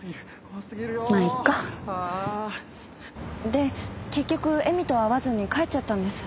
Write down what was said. で結局絵美とは会わずに帰っちゃったんです。